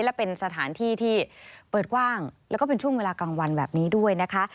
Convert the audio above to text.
และเป็นสถานที่ที่เปิดกว้างแล้วก็เป็นช่วงเวลากลางวันแบบนี้ด้วยนะคะ